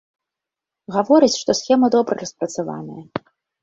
Гаворыць, што схема добра распрацаваная.